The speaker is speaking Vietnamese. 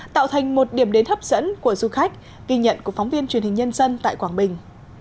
tạo thành một điểm đến hấp dẫn của du khách ghi nhận của phóng viên truyền hình nhân dân tại quảng bình